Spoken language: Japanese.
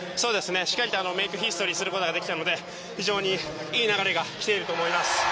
しっかりメイクヒストリーすることができたので非常にいい流れが来ていると思います。